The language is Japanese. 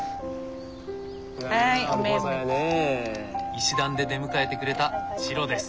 石段で出迎えてくれたチロです。